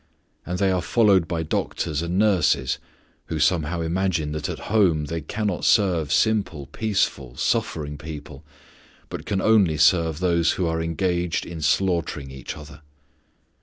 And they are followed by doctors and nurses, who somehow imagine that at home they cannot serve simple, peaceful, suffering people, but can only serve those who are engaged in slaughtering each other.